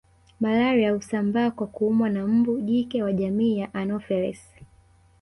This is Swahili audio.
Malaria husambaa kwa kuumwa na mbu jike wa jamii ya anopheles